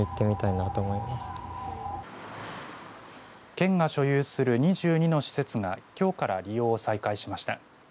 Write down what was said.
県が所有する２２の施設がきょうから利用を再開しました。